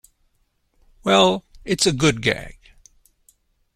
Well, it's a good gag.